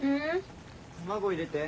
卵入れて。